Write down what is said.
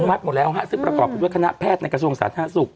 อนุมัติหมดแล้วค่ะซึ่งประกอบด้วยคณะแพทย์ในกระทรวงสาธารณสูตร